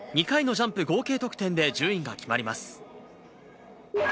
２回のジャンプ合計得点で順位が決まります。